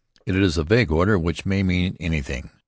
It is a vague order which may mean anything.